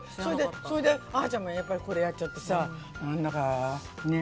それであーちゃんがやっぱりこれやっちゃってさ何だかね。